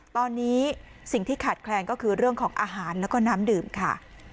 ตอนนี้สิ่งที่ขาดแคลนก็คือเรื่องของอาหารแล้วก็น้ำดื่มค่ะ